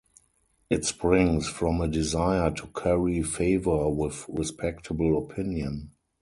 It springs from a desire to curry favor with respectable opinion.